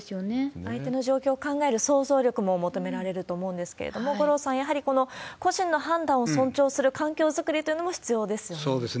相手の状況を考える想像力も求められると思うんですけれども、五郎さん、やはり個人の判断を尊重する環境作りっていうのも大事ですよね。